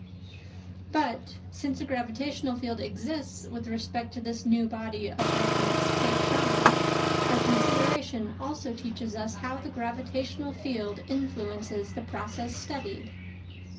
But since a gravitational field exists with respect to this new body of reference K1, our consideration also teaches us how the gravitational field influences the process studied.